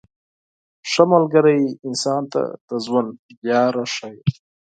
• ښه ملګری انسان ته د ژوند لاره ښیي.